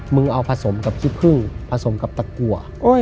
มึงเอาผสมกับขี้พึ่งผสมกับตะกัว